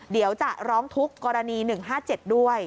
เดี๋ยวจะร้องทุกข์กรณี๑๕๗ด้วย